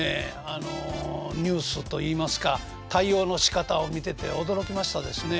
あのニュースといいますか対応のしかたを見てて驚きましたですね。